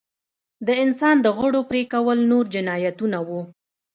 د انسان د غړو پرې کول نور جنایتونه وو.